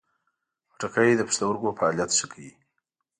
خټکی د پښتورګو فعالیت ښه کوي.